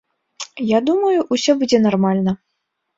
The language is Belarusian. Я думаю, усё будзе нармальна.